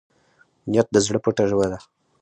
نیت د زړه پټه ژبه ده.